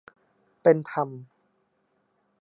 เป็นธรรม